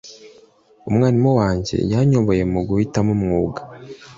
Umwarimu wanjye yanyoboye mu guhitamo umwuga.